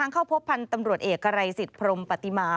เข้าพบพันธุ์ตำรวจเอกไกรสิทธิพรมปฏิมา